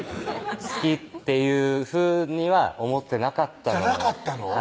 好きっていうふうには思ってなかったじゃなかったの？